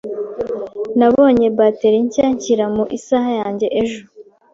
Nabonye bateri nshya nshyira mu isaha yanjye ejo.